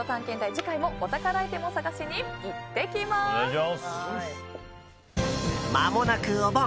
次回もお宝アイテムを探しにまもなく、お盆。